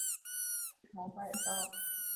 茶百道